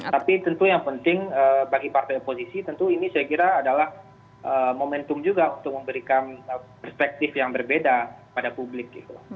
tapi tentu yang penting bagi partai oposisi tentu ini saya kira adalah momentum juga untuk memberikan perspektif yang berbeda pada publik